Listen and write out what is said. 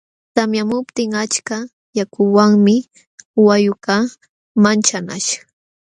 Tamyamuptin achka yakuwanmi wayqukaq manchanaśh.